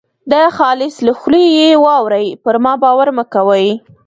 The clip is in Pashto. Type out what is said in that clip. د خالص له خولې یې واورۍ پر ما باور مه کوئ.